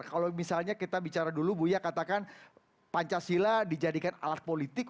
kalau misalnya kita bicara dulu buya katakan pancasila dijadikan alat politik